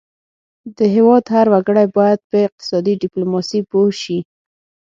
د هیواد هر وګړی باید په اقتصادي ډیپلوماسي پوه شي